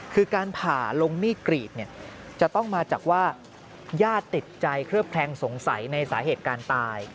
คือการผ่าลงมีดกรีดเนี่ยจะต้องมาจากว่าญาติติดใจเคลือบแคลงสงสัยในสาเหตุการตาย